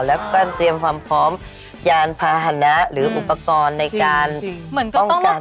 แล้วก็เตรียมความพร้อมยานพาหนะหรืออุปกรณ์ในการป้องกัน